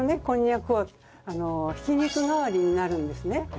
こんにゃくはひき肉代わりになるんですね。